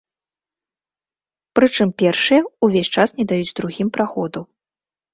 Прычым першыя ўвесь час не даюць другім праходу.